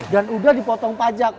dan udah dipotong pajak